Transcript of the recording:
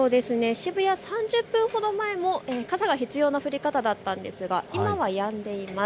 渋谷、３０分ほど前は傘が必要な降り方だったんですが今はやんでいます。